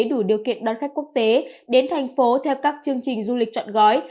đủ điều kiện đón khách quốc tế đến thành phố theo các chương trình du lịch trọn gói